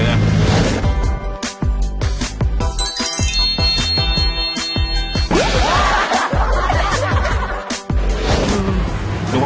ดีเลยนะ